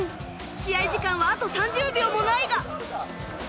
試合時間はあと３０秒もないが